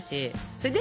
それで？